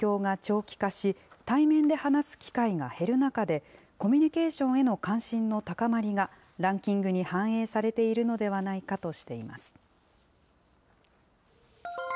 日販は、新型コロナウイルスの影響が長期化し、対面で話す機会が減る中で、コミュニケーションへの関心の高まりがランキングに反映されているのではないかとしています。